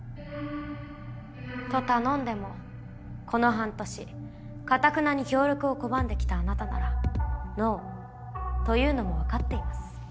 と頼んでもこの半年かたくなに協力を拒んで来たあなたなら「ノー」と言うのも分かっています。